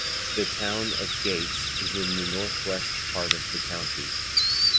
The Town of Gates is in the Northwest part of the county.